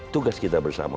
tugas kita bersama